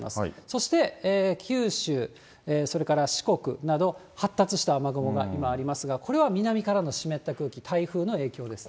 そして九州、それから四国など、発達した雨雲が今ありますが、これは南からの湿った空気、台風の影響です。